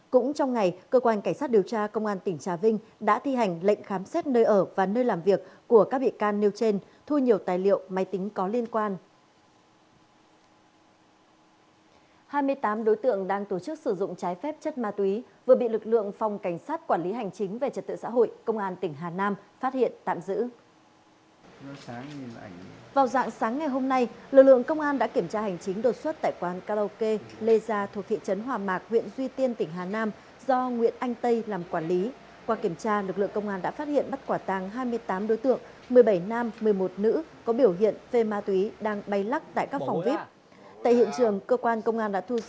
cũng trong ngày cơ quan cảnh sát điều tra công an tỉnh trà vinh đã thi hành lệnh khám xét nơi ở và nơi làm việc của các bị can nêu trên thu nhiều tài liệu máy tính có liên quan